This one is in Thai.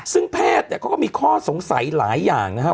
ซึ่งแพทย์เนี่ยเขาก็มีข้อสงสัยหลายอย่างนะครับ